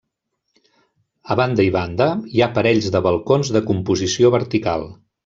A banda i banda, hi ha parells de balcons de composició vertical.